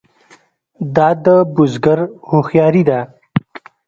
دا د بزګر هوښیاري ده.